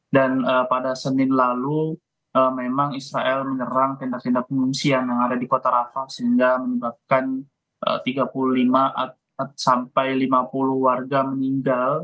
dan pada senin lalu memang israel menerang tindak tindak pengungsian yang ada di kota rafah sehingga menyebabkan tiga puluh lima sampai lima puluh warga meninggal